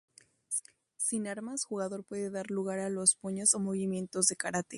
Sin armas, jugador puede dar lugar a los puños o movimientos de karate.